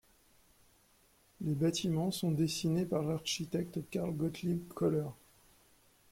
Les bâtiments sont dessinés par l'architecte Karl Gottlieb Koller.